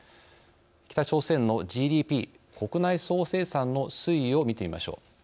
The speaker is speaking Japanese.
北朝鮮のＧＤＰ国内総生産の推移を見てみましょう。